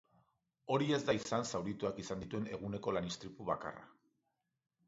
Hori ez da izan zaurituak izan dituen eguneko lan istripu bakarra.